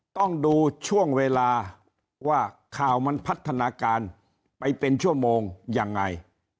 ต้องดูช่วงเวลาว่าข่าวมันพัฒนาการไปเป็นชั่วโมงยังไง